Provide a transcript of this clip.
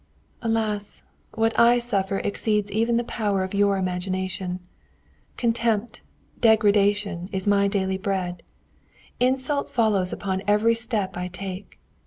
"Alas! what I suffer exceeds even the power of your imagination. Contempt, degradation, is my daily bread. Insult follows upon every step I take.